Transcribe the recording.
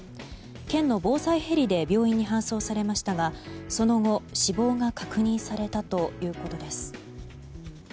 県の防災ヘリで病院に搬送されましたがその後、死亡が確認されたということです。